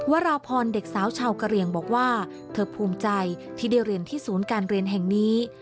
วราพรเด็กสาวชาวกะเรียงบอกว่าเธอภูมิใจที่ได้เรียนที่ศูนย์การเรียนแห่งนี้